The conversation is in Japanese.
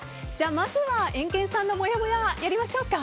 まずはエンケンさんのもやもや、やりましょうか。